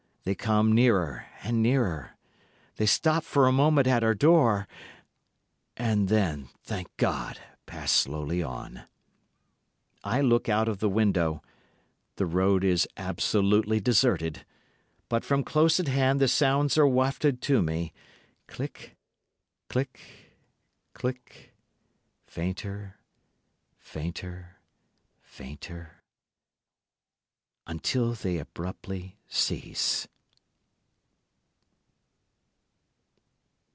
They come nearer and nearer. They stop for a moment at our door, and then—thank God—pass slowly on. I look out of the window—the road is absolutely deserted, but from close at hand the sounds are wafted to me—click, click, click, fainter, fainter, fainter—until they abruptly cease.